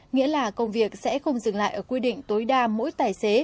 nghĩa là công việc sẽ không dừng lại ở quy định tối đa mỗi tài xế